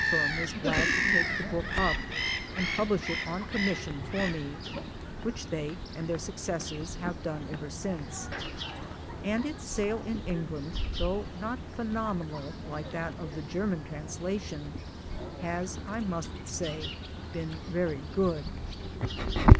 firm was glad to take the book up and publish it on commission for me which they (and their successors) have done ever since. And its sale in England (though not phenomenal like that of the German translation) has, I must say, been very good.